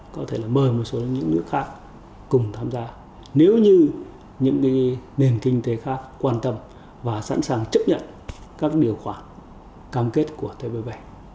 có thể là mời một số những nước khác cùng tham gia nếu như những nền kinh tế khác quan tâm và sẵn sàng chấp nhận các điều khoản cam kết của tpp